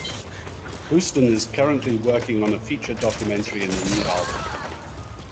Houston is currently working on a feature documentary and a new album.